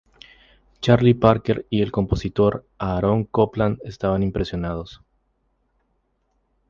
Charlie Parker y el compositor Aaron Copland estaban impresionados.